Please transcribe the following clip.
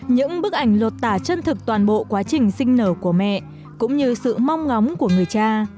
những bức ảnh lột tả chân thực toàn bộ quá trình sinh nở của mẹ cũng như sự mong ngóng của người cha